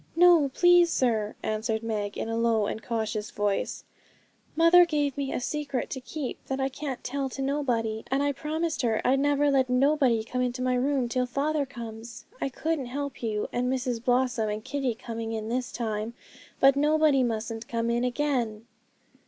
'No, please, sir,' answered Meg, in a low and cautious voice, 'mother gave me a secret to keep that I can't tell to nobody, and I promised her I'd never let nobody come into my room till father comes home. I couldn't help you, and Mrs Blossom, and Kitty coming in this time; but nobody mustn't come in again.'